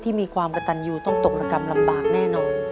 มีความกระตันยูต้องตกระกำลำบากแน่นอน